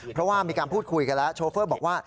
เพราะว่ามีการพูดคุยกันแล้วโชเฟอร์บอกว่า